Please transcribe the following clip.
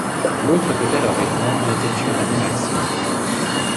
L'autre peut alors répondre en effectuant la même action.